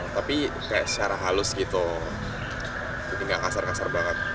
tapi kayak secara halus gitu jadi gak kasar kasar banget